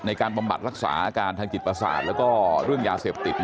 บำบัดรักษาอาการทางจิตประสาทแล้วก็เรื่องยาเสพติด